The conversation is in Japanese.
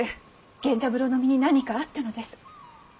源三郎の身に何かあったのです。